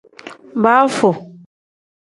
Baafu.